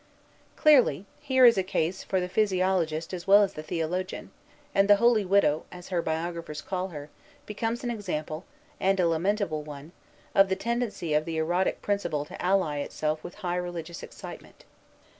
Clearly, here is a case for the physiologist as well as the theologian; and the "holy widow," as her biographers call her, becomes an example, and a lamentable one, of the tendency of the erotic principle to ally itself with high religious excitement.